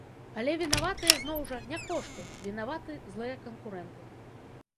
Але вінаватыя, зноў жа, не кошты, вінаваты злыя канкурэнты.